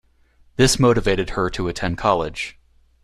This motivated her to attend college.